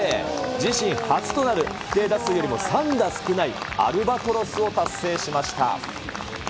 自身初となる規定打数よりも３打少ないアルバトロスを達成しました。